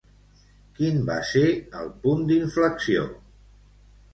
Quin va ser el punt d'inflexió?